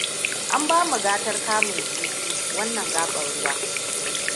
An ba mu gatar kamun kifi a wannan gabar ruwa.